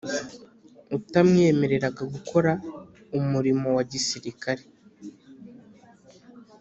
Utamwemereraga gukora umurimo wa gisirikare